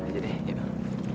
jalan aja deh